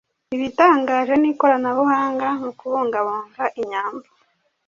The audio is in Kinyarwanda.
ibitangaje n'ikoranabuhanga mu kubungabunga inyambo